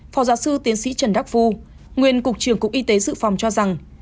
phó giáo sư tiến sĩ trần đắc phu nguyên cục trưởng cục y tế dự phòng cho rằng